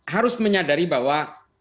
harus menyadari bahwa